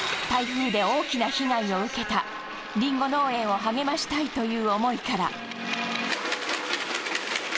台風で大きな被害を受けたリンゴ農園を励ましたいという思いから。